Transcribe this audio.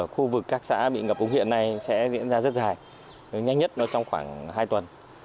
khu vực các xã bị ngập úng hiện nay sẽ diễn ra rất dài nhanh nhất trong khoảng hai tuần